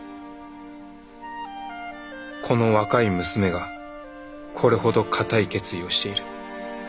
この若い娘がこれほど固い決意をしている。